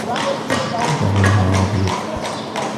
لِسَعيِها راضِيَةٌ